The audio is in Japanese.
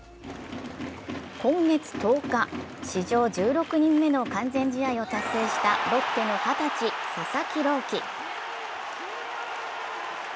今月１０日、史上１６人目の完全試合を達成したロッテの二十歳・佐々木朗希。